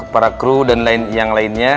para kru dan yang lainnya